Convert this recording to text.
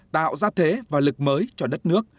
tạo ra thế và lực mới cho đất nước